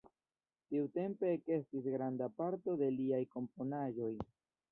Tiutempe ekestis granda parto de liaj komponaĵoj.